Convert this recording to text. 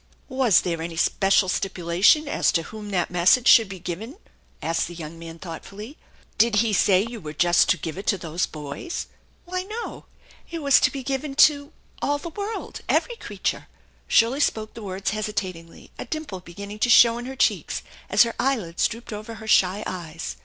" Was there any special stipulation as to whom that mes sage should be given?" asked the young man thoughtfully. "Did He say you were just to give it to those boys?" 213 THE ENCHANTED BARN " Why, no ; it was to be given to all the world, every creature/' Shirley spoke the words hesitatingly, a dimple beginning to show in her cheek as her eyelids drooped over her shy eyes.